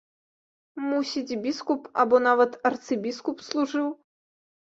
Мусіць, біскуп або нават арцыбіскуп служыў.